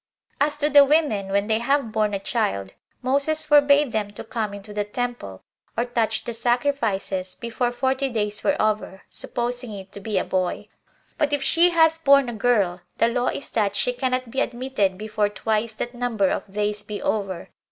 5. As to the women, when they have born a child, Moses forbade them to come into the temple, or touch the sacrifices, before forty days were over, supposing it to be a boy; but if she hath born a girl, the law is that she cannot be admitted before twice that number of days be over.